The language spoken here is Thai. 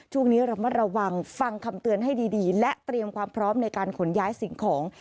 ช่วงนี้ระมัดระวังฟังคำเตือนให้ดีและเตรียมความพร้อมในการขนย้ายสิ่งของ